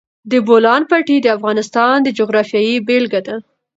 د بولان پټي د افغانستان د جغرافیې بېلګه ده.